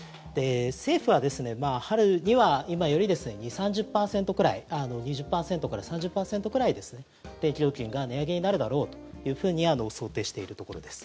政府は春には今より２０％から３０％くらい電気料金が値上げになるだろうというふうに想定しているところです。